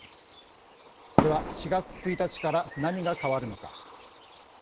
では４月１日から何が変わるのか。